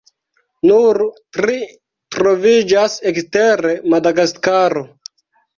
Nur tri troviĝas ekster Madagaskaro.